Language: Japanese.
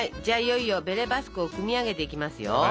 じゃあいよいよベレ・バスクを組み上げていきますよ。